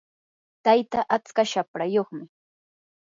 tayta atska shaprayuqmi.